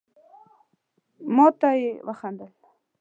ما ته يي وخندل.